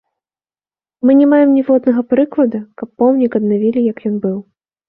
Мы не маем ніводнага прыклада, каб помнік аднавілі як ён быў.